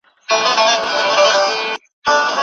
که فرد صالح وي نو دولت به هم صالح وي.